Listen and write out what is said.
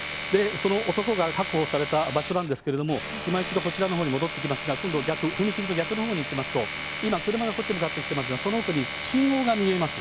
その男が確保された場所なんですけれども、いま一度こちらのほうに戻ってきますが、今度、逆、踏切と逆のほうに行きますと、今、車がこっちに向かってきてますが、その奥に信号が見えます。